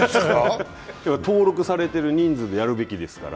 登録されている人数でやるべきですから。